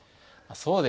そうですね。